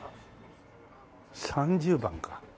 ３０番か。